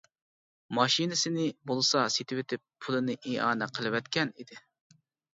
ماشىنىسىنى بولسا سېتىۋېتىپ، پۇلىنى ئىئانە قىلىۋەتكەن ئىدى.